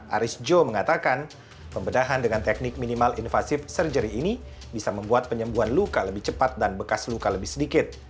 aris joe mengatakan pembedahan dengan teknik minimal invasive surgery ini bisa membuat penyembuhan luka lebih cepat dan bekas luka lebih sedikit